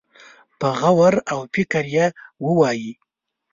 په غور او فکر يې ووايي.